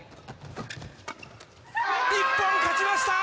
日本勝ちました！